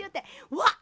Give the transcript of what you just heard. わっ！